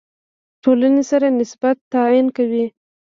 ټولنې سره نسبت تعیین کوي.